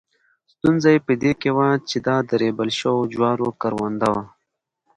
ستونزه یې په دې کې وه چې دا د ریبل شوو جوارو کرونده وه.